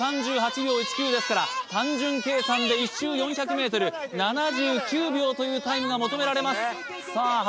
２分３８秒１９ですから単純計算で１周４００ｍ７９秒というタイムが求められますさあ